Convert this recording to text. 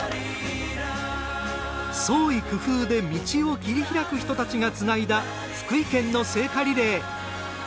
創意工夫で道を切り開く人たちがつないだ福井県の聖火リレー。